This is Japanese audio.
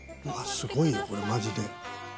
すごいよこれマジで。